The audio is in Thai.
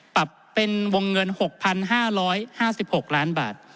ปรับเป็นวงเงิน๖๕๕๖ล้านบาท